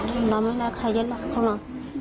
เราไม่ได้ใครจะรักเขานะ